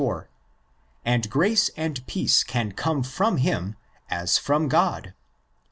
4), and grace and peace can come from him as from God (i.